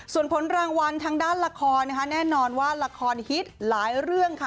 ส่วนผลรางวัลทางด้านละครนะคะแน่นอนว่าละครฮิตหลายเรื่องค่ะ